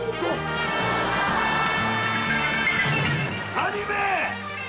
３人目！